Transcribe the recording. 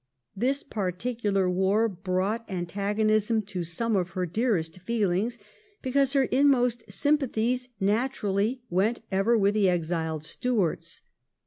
This particular war brought antagonism to some of her dearest feelings because her inmost sympathies naturally went ever with the exiled Stuarts.